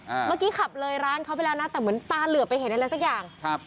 เมื่อกี้ขับเลยร้านเขาไปแล้วนะแต่เหมือนตาเหลือไปเห็นอะไรสักอย่างครับ